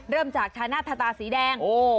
เริ่มจากชาณะธตาสีแดง